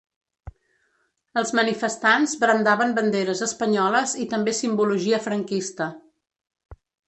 Els manifestants brandaven banderes espanyoles i també simbologia franquista.